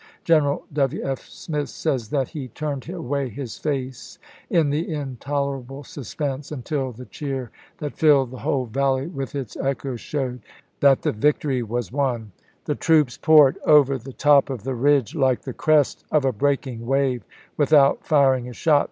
General W. F. Smith says that he' turned away his face in the intolerable suspense, until the cheer that filled the whole valley with its echoes showed that the victory was won. The troops poured over the top of the ridge like the crest of a breaking wave, without firing a shot.